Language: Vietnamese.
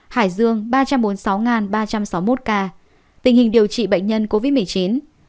hải dương ba trăm bốn mươi sáu ba trăm sáu mươi một ca tình hình điều trị bệnh nhân covid một mươi chín